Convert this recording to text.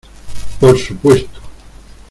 por su puesto.